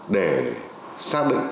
để xác định